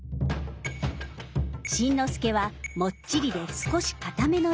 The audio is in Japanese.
新之助はもっちりで少しかための位置。